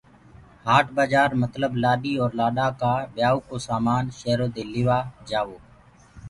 هآٽ بآجآر متلب لآڏي اور لآڏآ ڪآ ٻيآيوٚ ڪو سآمآن شيرو دي لي وآ جآوو۔